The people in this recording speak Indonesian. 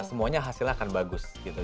semuanya hasilnya akan bagus gitu